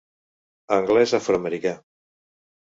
Anglès afroamericà